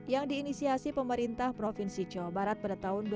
yang diinisiasi pemerintah provinsi jawa barat pada tahun dua ribu dua